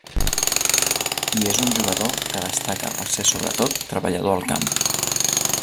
I és un jugador que destaca per ser sobretot treballador al camp.